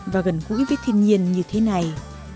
và gần gũi với thiên nhiên như thế này